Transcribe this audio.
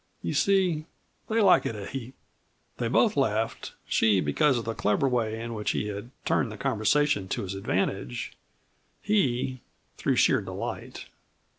You see, they like it a heap." They both laughed, she because of the clever way in which he had turned the conversation to his advantage; he through sheer delight.